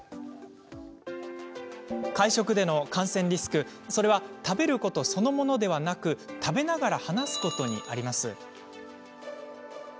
会食での感染リスク、それは食べることそのものではなく食べながら話すことにあります。